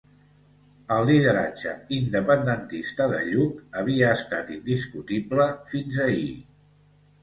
El lideratge independentista de Lluc havia estat indiscutible fins ahir.